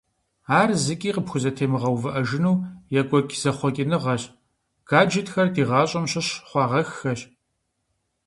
Ар зыкӀи къыпхузэтемыгъэувыӀэжыну екӀуэкӀ зэхъуэкӀыныгъэщ, гаджетхэр ди гъащӀэм щыщ хъуагъэххэщ.